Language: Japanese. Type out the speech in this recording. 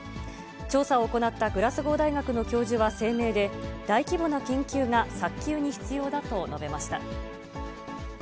調査を行ったグラスゴー大学の教授は声明で、大規模な研究が早急に必要だと述べました。